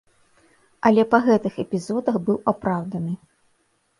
Але па гэтых эпізодах быў апраўданы.